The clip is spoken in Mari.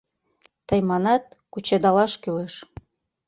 Тый манат: кучедалаш кӱлеш.